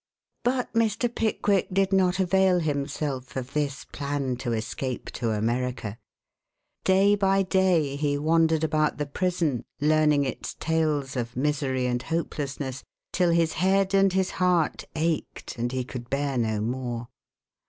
But Mr. Pickwick did not avail himself of this plan to escape to America. Day by day he wandered about the prison, learning its tales of misery and hopelessness, till his head and his heart ached and he could bear no more.